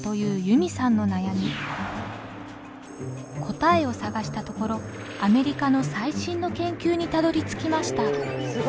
答えを探したところアメリカの最新の研究にたどりつきました。